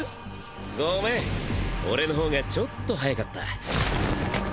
ごめん俺の方がちょっと速かった。